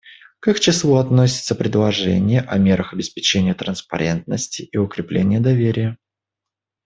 К их числу относится предложение о мерах обеспечения транспарентности и укрепления доверия.